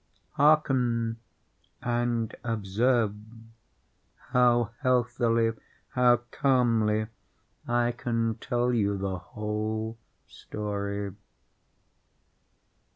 Hearken! and observe how healthily—how calmly I can tell you the whole story.